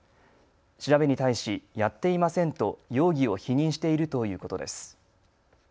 調べに対しやっていませんと容疑を否認しているということです。